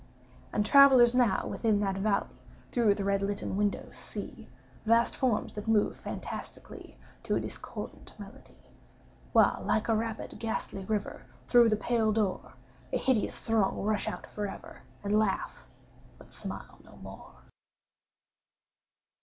And travellers now within that valley, Through the red litten windows, see Vast forms that move fantastically To a discordant melody; While, like a rapid ghastly river, Through the pale door, A hideous throng rush out forever, And laugh—but smile no more.